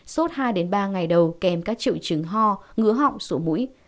sốt hai ba ngày đầu kèm các triệu chứng ho ngứa họng sổ mũi